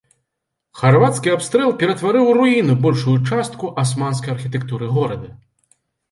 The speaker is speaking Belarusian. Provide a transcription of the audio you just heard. Харвацкі абстрэл ператварыў у руіны большую частка асманскай архітэктуры горада.